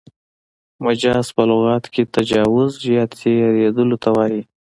مجاز په لغت کښي تجاوز یا تېرېدلو ته وايي.